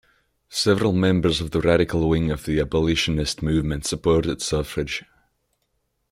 Several members of the radical wing of the abolitionist movement supported suffrage.